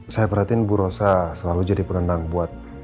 saya perhatiin bu rosa selalu jadi penendang buat